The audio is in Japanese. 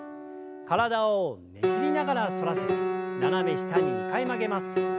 体をねじりながら反らせて斜め下に２回曲げます。